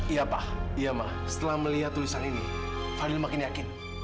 iya pak iya mah setelah melihat tulisan ini fadil makin yakin